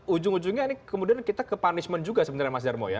ujung ujungnya ini kemudian kita ke punishment juga sebenarnya mas darmo ya